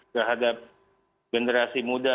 kehadap generasi muda